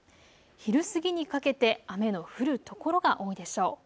昼過ぎにかけて雨の降る所が多いでしょう。